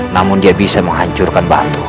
namun dia bisa menghancurkan batu